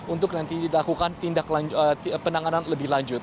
untuk nanti dilakukan penanganan lebih lanjut